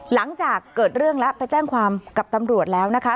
หลังจากเกิดเรื่องแล้วไปแจ้งความกับตำรวจแล้วนะคะ